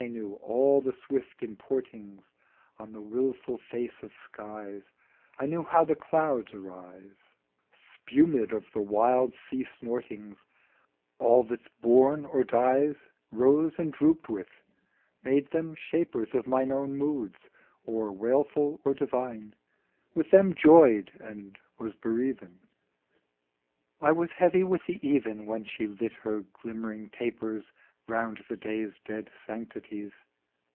knew all the swift importings On the wilful face of skies ; I knew how the clouds arise Spumed of the wild sea snortings ; All that's born or dies Rose and drooped with made them shapers Of mine own moods, or wailful or divine With them joyed and was bereaven. I was heavy with the even, When she lit her glimmering tapers Round the day's dead sanctities.